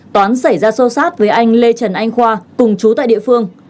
toán xảy ra sâu sát với anh lê trần anh khoa cùng chú tại địa phương